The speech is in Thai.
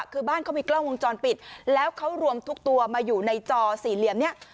คือบ้านเขามีกล้องวงจรปิดแล้วเขารวมทุกตัวมาอยู่ในจอสี่เหลี่ยมเนี่ย